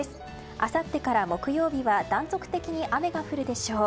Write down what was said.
あさってから木曜日は断続的に雨が降るでしょう。